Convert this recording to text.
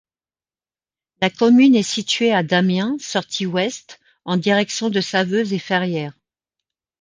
La commune est située à d'Amiens, sortie ouest, en direction de Saveuse et Ferrières.